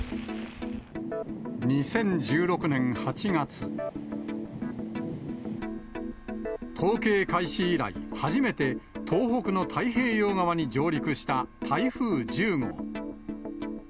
２０１６年８月、統計開始以来、初めて東北の太平洋側に上陸した台風１０号。